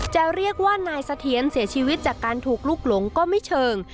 จะเรียกว่านายเสถียรเสียชีวิตจากการถูกลุกหลงก็ไม่เชิง